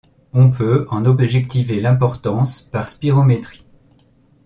On peut en objectiver l'importance par la spirométrie.